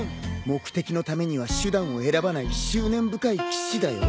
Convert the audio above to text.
目的のためには手段を選ばない執念深い騎士だよ。